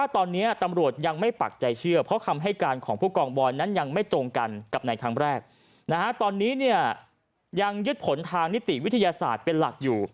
ตอนนี้เนี่ยยังยึดผลทางนิติวิทยาศาสตร์เป็นหลักอยู่